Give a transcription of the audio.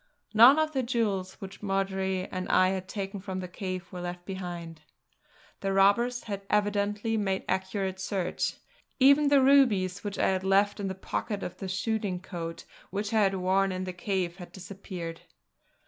None of the jewels which Marjory and I had taken from the cave were left behind. The robbers had evidently made accurate search; even the rubies, which I had left in the pocket of the shooting coat which I had worn in the cave, had disappeared.